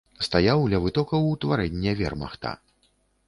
Стаяў ля вытокаў утварэння вермахта.